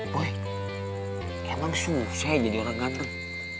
wah emang susah jadi orang ganteng